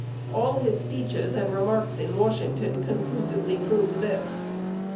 All his speeches and remarks in Washington conclusively prove this.